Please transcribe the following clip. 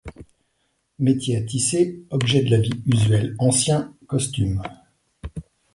Métier à tisser, objets de la vie usuelle anciens, costumes.